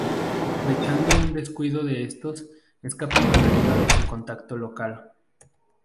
Aprovechando un descuido de estos, escapan con ayuda de su contacto local.